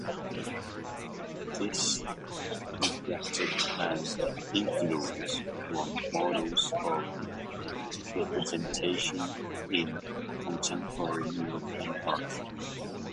This reflected an influence from modes of representation in contemporary European art.